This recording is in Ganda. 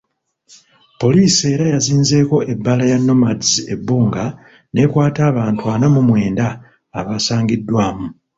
Poliisi era yazinzeeko ebbaala ya Nomads e Bbunga n'ekwata abantu ana mu mwenda abasangiddwamu.